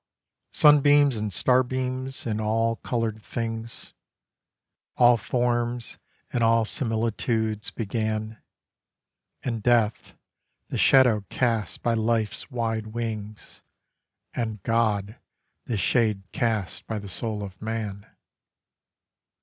Sunbeams and starbeams, and all coloured things, All forms and all similitudes began; And death, the shadow cast by life's wide wings, And God, the shade cast by the soul of man.